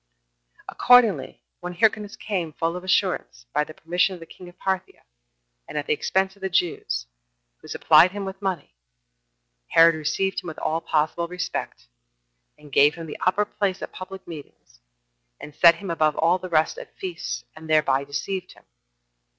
4. Accordingly, when Hyrcanus came, full of assurance, by the permission of the king of Parthia, and at the expense of the Jews, who supplied him with money, Herod received him with all possible respect, and gave him the upper place at public meetings, and set him above all the rest at feasts, and thereby deceived him.